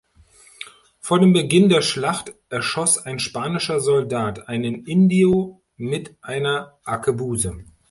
Vor dem Beginn der Schlacht erschoss ein spanischer Soldat einen Indio mit einer Arkebuse.